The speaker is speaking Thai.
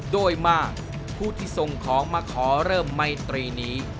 โดยมากผู้ที่ส่งของมาขอเริ่มไมตรีนี้